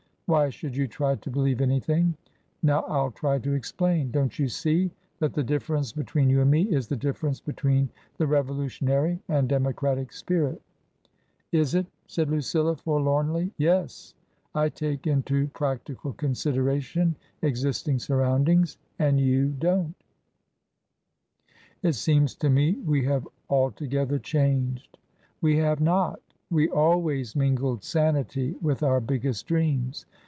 Why should you try to believe an}rthing ? Now FU try to explain. Don't you see that the difference between you and me is the difference between the Revolutionary and Demo cratic spirit?" " Is it ?" said Lucilla, forlornly. "Yes. I take into practical consideration existing surroundings and you don't" It seems to me we have altogether changed." We have not. We always mingled sanity with our biggest dreams.